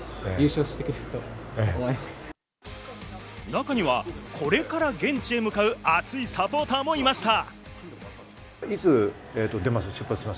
中には、これから現地へ向かう熱いサポーターもいました。